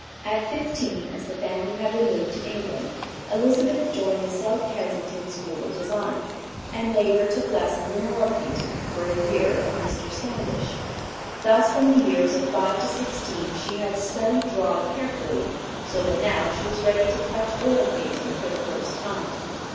At fifteen, as the family had removed to England, Elizabeth joined the South Kensington School of Design, and, later, took lessons in oil painting, for a year, of Mr. Standish. Thus from the years of five to sixteen she had studied drawing carefully, so that now she was ready to touch oil painting for the first time.